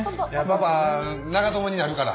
パパ長友になるから！